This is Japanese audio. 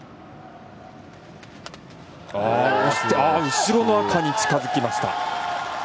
後ろの赤に近づきました。